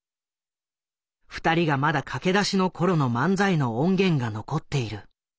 二人がまだ駆け出しの頃の漫才の音源が残っている。